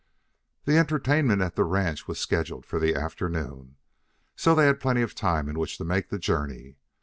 The entertainment at the ranch was scheduled for the afternoon, so they had plenty of time in which to make the journey.